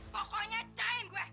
pokoknya cahin gue